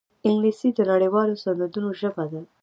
انګلیسي د نړيوالو سندونو ژبه ده